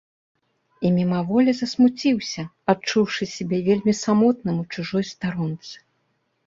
І мімаволі засмуціўся, адчуўшы сябе вельмі самотным у чужой старонцы.